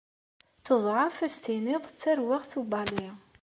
Teḍɛef ad s-tiniḍ d tarweɣt ubali.